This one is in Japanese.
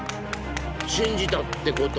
信じたってこと？